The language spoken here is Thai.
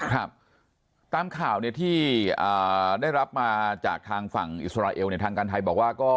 ครับตามข่าวที่ได้รับมาจากทางฝั่งอิสราเอลทางการไทยบอกว่า